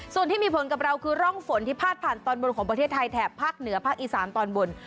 ส่วนที่มีผลกับเราคือร่องฝนที่พาดผ่านตอนบนของประเทศไทยแถบภาคเหนือภาคอีสานตอนบน